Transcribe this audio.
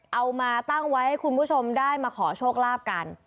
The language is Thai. เอามาตั้งไว้ให้คุณผู้ชมได้มาขอโชคลาภกัน